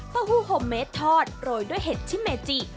หู้โฮมเมดทอดโรยด้วยเห็ดชิเมจิ